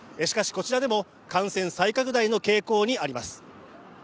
こちらでも感染再拡大の傾向にあります